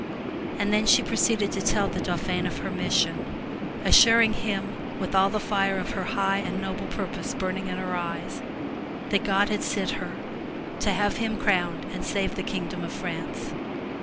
And then she proceeded to tell the Dauphin of her mission, assuring him with all the fire of her high and noble purpose burn ing in her eyes, that God had sent her to have him crowned and save the kingdom of France.